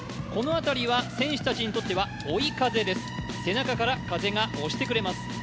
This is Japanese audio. この辺りは選手たちにとっては追い風です、背中から風が押してくれます。